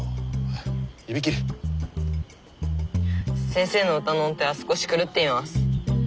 先生の歌の音程は少し狂っています。